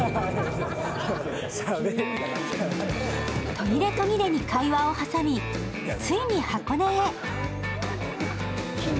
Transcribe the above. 途切れ途切れに会話を挟み、ついに箱根へ。